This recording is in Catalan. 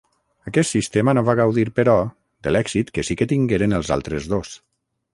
Aquest sistema no va gaudir, però, de l’èxit que sí que tingueren els altres dos.